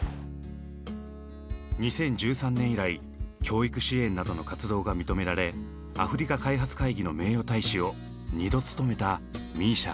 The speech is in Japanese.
２０１３年以来教育支援などの活動が認められアフリカ開発会議の名誉大使を２度務めたＭＩＳＩＡ。